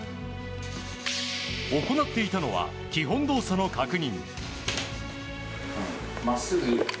行っていたのは基本動作の確認。